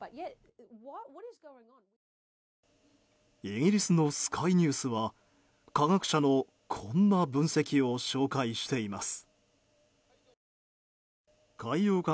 イギリスのスカイニュースは科学者のこんな分析を紹介しています。